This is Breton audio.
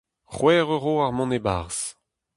C'hwec'h euro ar mont e-barzh.